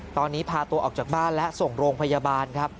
ตอนนี้พาตัวออกจากบ้านและส่งโรงพยาบาลครับ